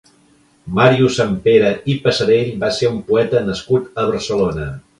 Màrius Sampere i Passarell va ser un poeta nascut a Barcelona.